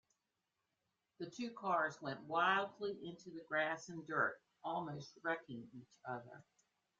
The two cars went wildly into the grass and dirt, almost wrecking each other.